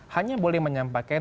hanya boleh menyampaikan